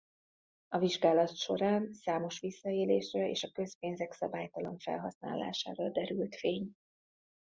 A vizsgálat során számos visszaélésre és a közpénzek szabálytalan felhasználására derült fény.